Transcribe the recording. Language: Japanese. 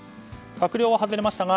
閣僚を外れましたが